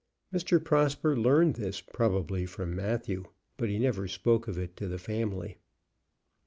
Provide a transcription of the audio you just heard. Mr. Prosper learned this, probably, from Matthew, but he never spoke of it to the family.